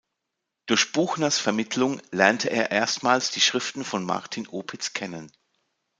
Durch Buchners Vermittlung lernte er erstmals die Schriften von Martin Opitz kennen.